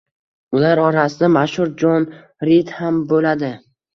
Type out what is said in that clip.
Ular orasida mashhur Jon Rid ham bo‘ladi.